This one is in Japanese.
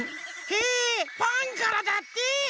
へえファンからだって！